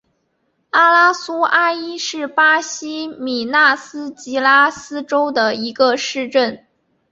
阿拉苏阿伊是巴西米纳斯吉拉斯州的一个市镇。